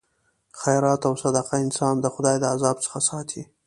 خیرات او صدقه انسان د خدای د عذاب څخه ساتي.